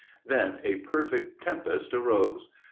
Then a perfect tempest arose.